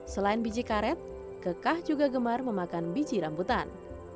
selain biji karet kekah juga gemar memakan biji rambutan